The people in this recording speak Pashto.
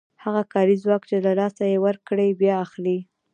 هغه کاري ځواک چې له لاسه یې ورکړی بیا اخلي